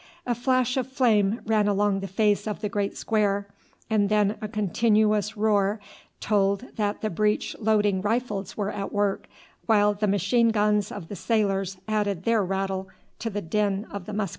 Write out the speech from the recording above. A flash of flame ran along the face of the great square, and then a continuous roar told that the breech loading rifles were at work, while the machine guns of the sailors added their rattle to the din of the musketry.